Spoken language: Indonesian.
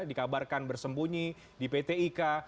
dikabarkan bersembunyi di pt ika